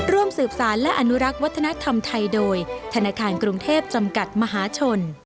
ร่วมสืบสารและอนุรักษ์วัฒนธรรมไทยโดยธนาคารกรุงเทพจำกัดมหาชน